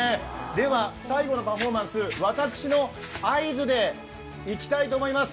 では、最後のパフォーマンス、私の合図でいきたいと思います。